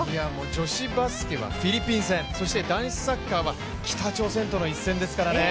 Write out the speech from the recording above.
女子バスケはフィリピン戦そして男子サッカーは北朝鮮との一戦ですからね。